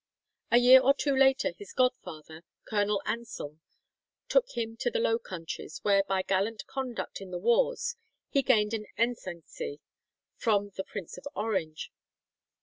A year or two later his godfather, Colonel Anselme, took him to the Low Countries, where by gallant conduct in the wars he gained an ensigncy from the Prince of Orange.